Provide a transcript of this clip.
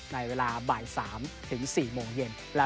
ในเวลาบ่าย๓ถึง๔โมงเย็น